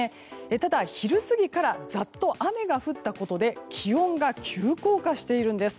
ただ、昼過ぎからざっと雨が降ったことで気温が急降下しています。